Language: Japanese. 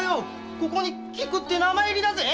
ここに“菊”って名前入りだぜ！